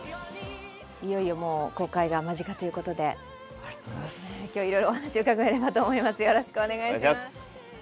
いよいよ公開が間近ということで今日は、いろいろお話を伺えればと思います。